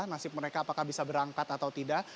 nasib mereka apakah bisa berangkat atau tidak